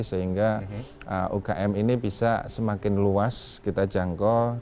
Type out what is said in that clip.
sehingga ukm ini bisa semakin luas kita jangkau